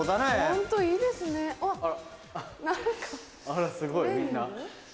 あらすごいみんな。